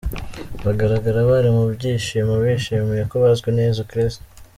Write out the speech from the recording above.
Bagaragara bari mu byishimo bishimiye ko bazwi na Yesu Kristo.